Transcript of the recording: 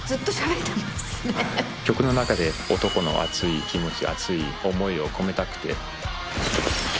曲の中で男の熱い気持ち熱い思いを込めたくて。